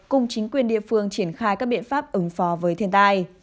cùng chính quyền địa phương triển khai các biện pháp ứng phó với thiên tai